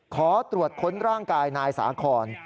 ขอตรวจค้นร่างกายนายสาคอน